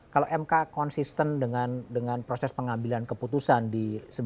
kalau mk konsisten dengan proses pengambilan keputusan di sebelas